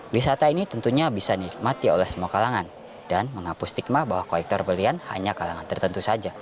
wisata ini tentunya bisa dinikmati oleh semua kalangan dan menghapus stigma bahwa kolektor berlian hanya kalangan tertentu saja